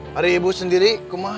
hari ibu sendiri